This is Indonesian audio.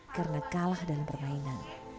karena kalah dalam permainan